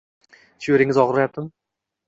Shu yeringiz og’riyaptimi?